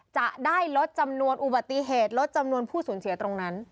จะได้ลดจำนวนอุบัติเหตุลดจำนวนผู้สูญเสียตรงนั้น